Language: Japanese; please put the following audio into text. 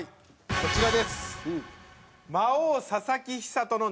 こちらです。